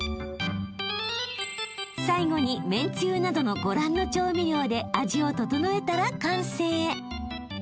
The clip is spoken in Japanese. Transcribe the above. ［最後にめんつゆなどのご覧の調味料で味を調えたら完成］